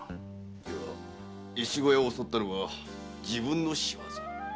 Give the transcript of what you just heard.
では越後屋を襲ったのは自分の仕業？